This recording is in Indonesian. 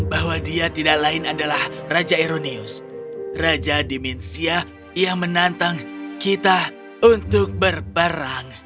bahwa dia tidak lain adalah raja eronius raja dimensia yang menantang kita untuk berperang